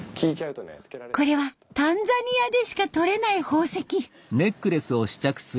これはタンザニアでしか採れない宝石。